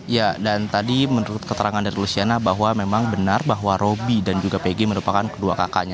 ya dan tadi menurut keterangan dari lusiana bahwa memang benar bahwa roby dan juga pg merupakan kedua kakaknya